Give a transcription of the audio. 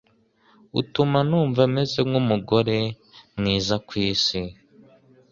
utuma numva meze nk'umugore mwiza ku isi